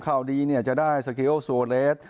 เข้าดีจะได้สเกลียลซูอร์เลส